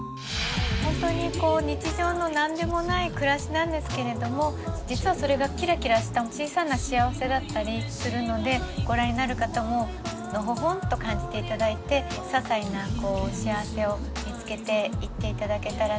本当にこう日常の何でもない暮らしなんですけれども実はそれがキラキラした小さな幸せだったりするのでご覧になる方ものほほんと感じて頂いてささいな幸せを見つけていって頂けたらなっていうふうに思ってます。